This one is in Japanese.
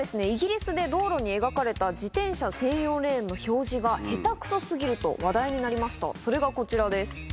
イギリスで道路に描かれた自転車専用レーンの標示がヘタくそ過ぎると話題になりましたそれがこちらです。